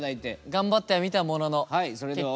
頑張ってはみたものの結局。